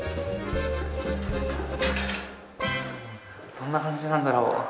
どんな感じなんだろう？